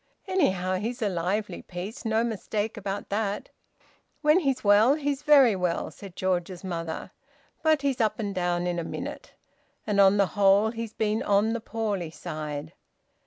"Anyhow, he's a lively piece no mistake about that!" "When he's well, he's very well," said George's mother. "But he's up and down in a minute. And on the whole he's been on the poorly side."